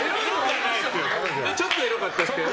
ちょっとエロかったですけど。